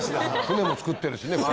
舟も作ってるしね。